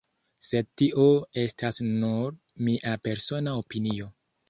Sed tio estas nur mia persona opinio.